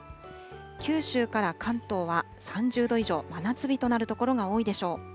九州から関東は３０度以上、真夏日となる所が多いでしょう。